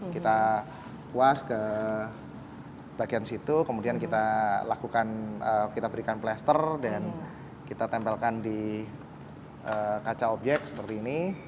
kita puas ke bagian situ kemudian kita lakukan kita berikan plaster dan kita tempelkan di kaca obyek seperti ini